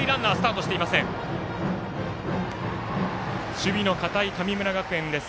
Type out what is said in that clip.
守備の堅い神村学園です。